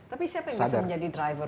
tapi siapa yang bisa menjadi driver